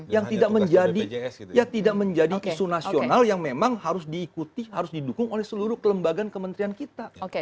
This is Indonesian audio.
yang tidak menjadi isu nasional yang memang harus diikuti harus didukung oleh seluruh kelembagaan kementerian kita